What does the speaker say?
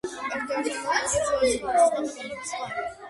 ეკატერინე ჭავჭავაძისა და სამეგრელოს მთავრის დავით დადიანის შვილი.